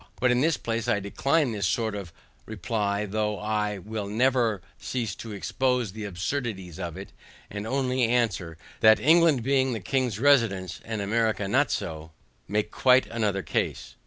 But in this place I decline this sort of reply, though I will never cease to expose the absurdity of it, and only answer, that England being the King's residence, and America not so, make quite another case.